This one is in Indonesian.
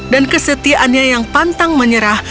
dan kesetiaannya yang pantang menyerah